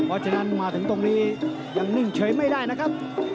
เพราะฉะนั้นมาถึงตรงนี้ยังนิ่งเฉยไม่ได้นะครับ